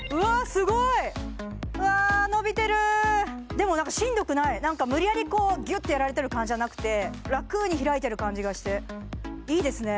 すごいうわ伸びてるでもしんどくない無理やりギュッてやられてる感じじゃなくて楽に開いてる感じがしていいですね